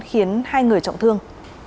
khiến hai người trọng thương